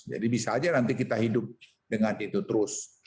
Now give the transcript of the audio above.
jadi bisa aja nanti kita hidup dengan itu terus